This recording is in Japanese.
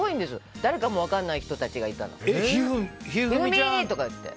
誰かも分からない人たちが言って。